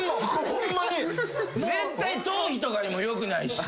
絶対頭皮とかにも良くないし。